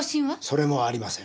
それもありません。